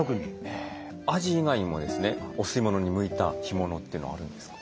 へえアジ以外にもですねお吸い物に向いた干物というのはあるんですか？